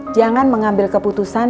jangan mengambil keputusan